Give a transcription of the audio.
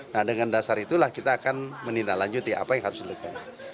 nah dengan dasar itulah kita akan menindaklanjuti apa yang harus dilakukan